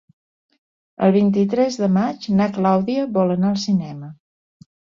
El vint-i-tres de maig na Clàudia vol anar al cinema.